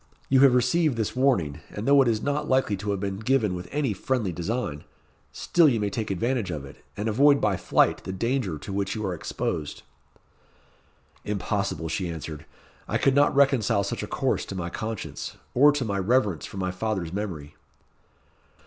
"You have received this warning, and though it is not likely to have been given with any very friendly design, still you may take advantage of it, and avoid by flight the danger to which you are exposed." "Impossible," she answered. "I could not reconcile such a course to my conscience, or to my reverence for my father's memory."